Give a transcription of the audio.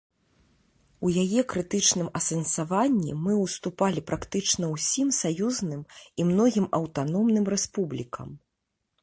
У яе крытычным асэнсаванні мы ўступалі практычна ўсім саюзным і многім аўтаномным рэспублікам.